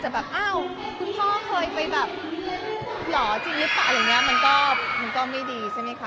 แต่แบบอ้าวคุณพ่อเคยไปแบบหรอจริงหรือเปล่าอะไรอย่างนี้มันก็มันก็ไม่ดีใช่ไหมคะ